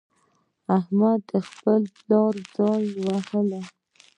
احمد د خپل پلار ځای وواهه.